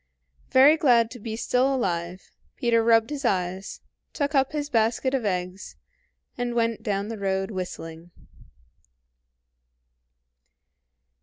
Very glad to be still alive, Peter rubbed his eyes, took up his basket of eggs, and went down the road whistling.